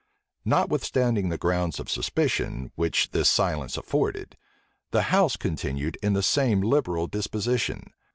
Notwithstanding the grounds of suspicion which this silence afforded, the house continued in the same liberal disposition.